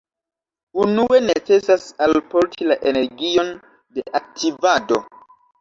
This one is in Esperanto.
Unue necesas alporti la energion de aktivado.